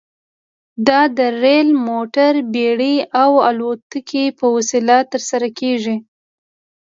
دا د ریل، موټر، بېړۍ او الوتکې په وسیله ترسره کیږي.